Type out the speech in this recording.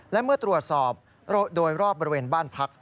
และเมื่อตรวจสอบโดยรอบบริเวณบ้านพัก